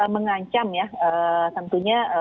mengancam ya tentunya